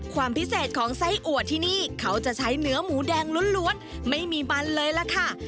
ความพิเศษของไส้อัวที่นี่เขาจะใช้เนื้อหมูแดงล้วนไม่มีมันเลยล่ะค่ะ